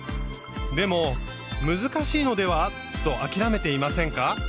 でも難しいのでは？と諦めていませんか？